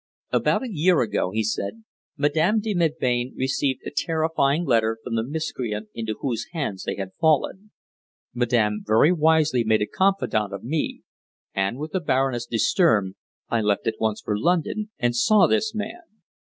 "About a year ago," he said, "Madame de Melbain received a terrifying letter from the miscreant into whose hands they had fallen. Madame very wisely made a confidant of me, and, with the Baroness de Sturm, I left at once for London, and saw this man.